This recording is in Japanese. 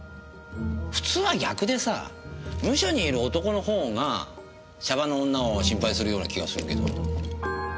普通は逆でさムショにいる男のほうがシャバの女を心配するような気がするけど。